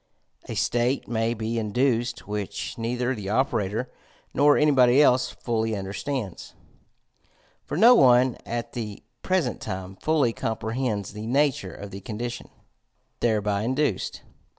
A state may be induced which neither the operator nor anybody else fully understands, for no one at the pres ent time fully comprehends the nature of the condition HYPNOTISM AND MESMERISM 261 thereby induced.